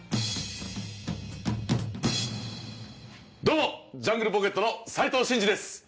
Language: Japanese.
どうもジャングルポケットの斉藤慎二です。